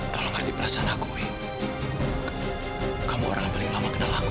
kalau hati perasaan aku kamu orang paling lama kenal aku